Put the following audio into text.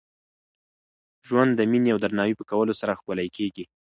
ژوند د میني او درناوي په کولو سره ښکلی کېږي.